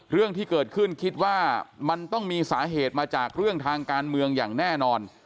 เรื่องที่เกิดขึ้นคิดว่ามันต้องมีสาเหตุมาจากเรื่องทางการเมืองอย่างแน่นอน